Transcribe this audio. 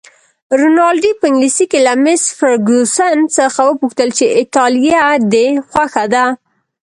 رینالډي په انګلیسي کې له مس فرګوسن څخه وپوښتل چې ایټالیه دې خوښه ده؟